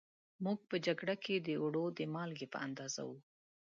موږ په جگړه کې د اوړو د مالگې په اندازه وو